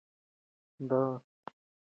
د باد په واسطه برېښنا تولید کړئ.